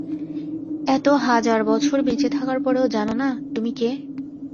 এত হাজার বছর বেঁচে থাকার পরেও জানো না তুমি কে!